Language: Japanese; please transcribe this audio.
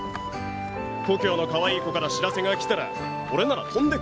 故郷のかわいい子から知らせが来たら俺なら飛んで帰る。